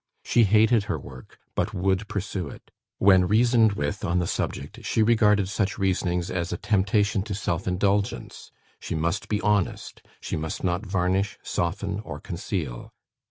She hated her work, but would pursue it. When reasoned with on the subject, she regarded such reasonings as a temptation to self indulgence. She must be honest; she must not varnish, soften, or conceal.